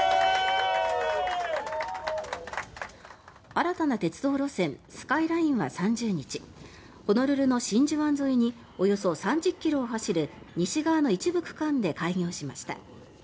新たな鉄道路線スカイラインは３０日ホノルルの真珠湾沿いにおよそ３０ｋｍを走る西側の一部区間で開業しました。